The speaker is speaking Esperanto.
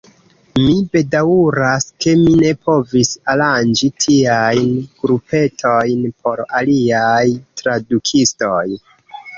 Mi bedaŭras, ke mi ne povis aranĝi tiajn grupetojn por aliaj tradukistoj.